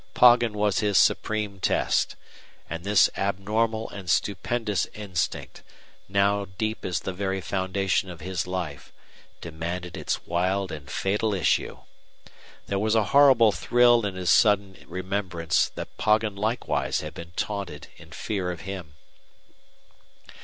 Poggin was his supreme test. And this abnormal and stupendous instinct, now deep as the very foundation of his life, demanded its wild and fatal issue. There was a horrible thrill in his sudden remembrance that Poggin likewise had been taunted in fear of him.